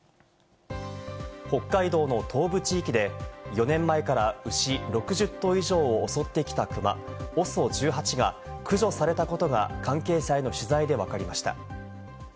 北海道の東部地域で４年前から牛６０頭以上を襲ってきたクマ・ＯＳＯ１８が駆除されたことが関係者への取材でわかりました。